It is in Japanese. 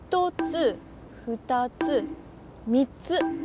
１つ２つ３つ。